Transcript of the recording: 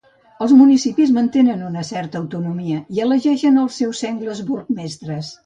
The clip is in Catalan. Els municipis mantenen una certa autonomia i elegeixen els seus sengles burgmestres.